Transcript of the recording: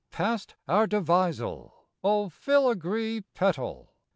Past our devisal (O filigree petal!)